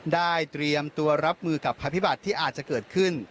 เตรียมตัวรับมือกับภัยพิบัติที่อาจจะเกิดขึ้น